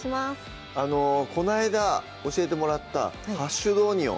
こないだ教えてもらった「ハッシュドオニオン」